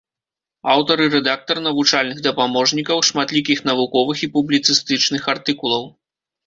Аўтар і рэдактар навучальных дапаможнікаў, шматлікіх навуковых і публіцыстычных артыкулаў.